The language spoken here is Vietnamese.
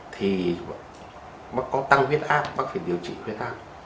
thì nó có tăng huyết áp bác phải điều trị huyết áp